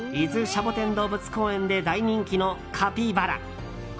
シャボテン動物公園で大人気のカピバラ。